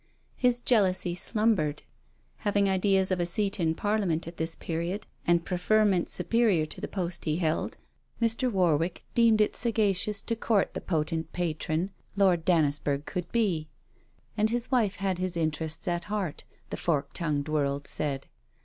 His jealousy slumbered. Having ideas of a seat in Parliament at this period, and preferment superior to the post he held, Mr. Warwick deemed it sagacious to court the potent patron Lord Dannisburgh could be; and his wife had his interests at heart, the fork tongued world said.